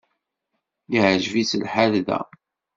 Yeɛjeb-itt lḥal da.